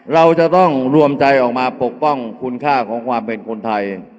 เราจะต้องรวมใจออกมาปกป้องคุณค่าของความเป็นคนไทย